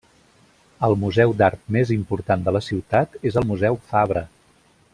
El museu d'art més important de la ciutat és el Museu Fabre.